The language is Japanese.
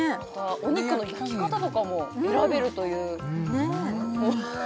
お肉の焼き方とかも選べるといううんおいしい！